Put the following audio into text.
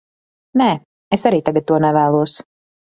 Nē, es arī tagad to nevēlos.